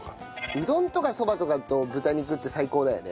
うどんとかそばとかと豚肉って最高だよね。